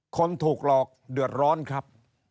คนถูกหลอกเดือดร้อนครับ